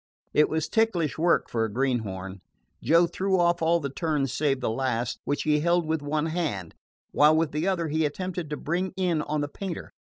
It was ticklish work for a greenhorn. Joe threw off all the turns save the last, which he held with one hand, while with the other he attempted to bring in on the painter.